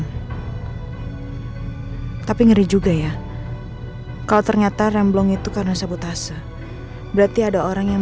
hai tapi ngeri juga ya kalau ternyata rem belum itu karena sabotase berarti ada orang yang